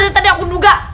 kan tadi aku duga